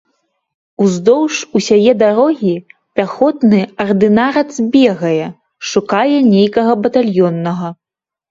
Уздоўж усяе дарогі пяхотны ардынарац бегае, шукае нейкага батальённага.